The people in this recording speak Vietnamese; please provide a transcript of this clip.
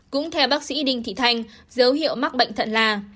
cũng theo bác sĩ đinh thị thanh dấu hiệu mắc bệnh thận là